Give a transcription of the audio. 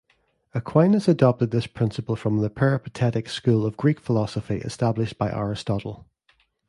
Aquinas adopted this principle from the Peripatetic school of Greek philosophy, established by Aristotle.